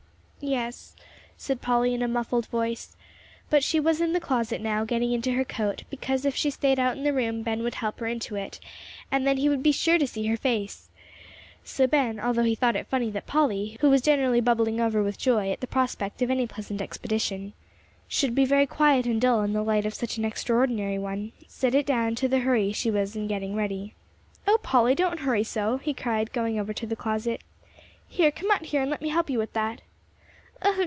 "Yes," said Polly, in a muffled voice. But she was in the closet now, getting into her coat, because if she stayed out in the room Ben would help her into it, and then he would be sure to see her face! So Ben, although he thought it funny that Polly, who was generally bubbling over with joy at the prospect of any pleasant expedition, should be very quiet and dull in the light of such an extraordinary one, set it down to the hurry she was in getting ready. "Oh, Polly, don't hurry so!" he cried, going over to the closet. "Here, come out here, and let me help you with that."